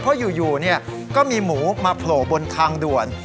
เพราะอยู่ก็มีหมูมาโผล่บนทางด่วน